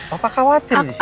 papa khawatir disini